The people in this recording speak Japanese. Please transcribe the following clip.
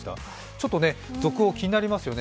ちょっと、続報気になりますよね